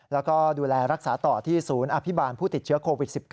แล้วก็ดูแลรักษาต่อที่ศูนย์อภิบาลผู้ติดเชื้อโควิด๑๙